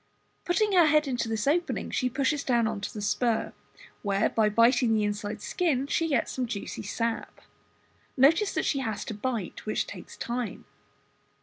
Putting her head into this opening she pushes down into the spur, where by biting the inside skin she gets some juicy sap. Notice that she has to bite, which takes time.